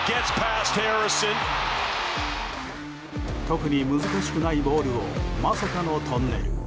特に難しくないボールをまさかのトンネル。